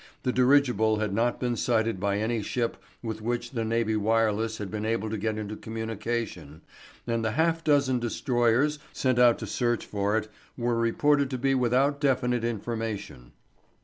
The dirigible had not been sighted by any ship with which the navy wireless had been able to get into communication and the half dozen destroyers sent out to search for it were reported to be without definite information.